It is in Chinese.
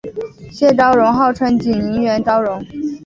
谢昭容号称景宁园昭容。